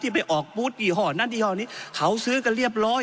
ไปออกบูธยี่ห้อนั้นยี่ห้อนี้เขาซื้อกันเรียบร้อย